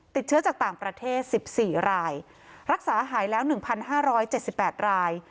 ติดเชื้อจากต่างประเทศ๑๔รายรักษาหายแล้ว๑๕๗๘ราย